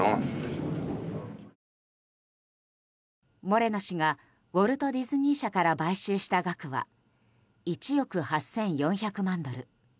モレノ氏がウォルト・ディズニー社から買収した額は１億８４００万ドル。